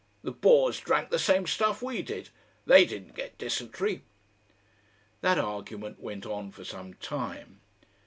The Boers drank the same stuff we did. THEY didn't get dysentery." That argument went on for some time.